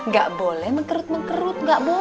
gak boleh mengkerut menkerut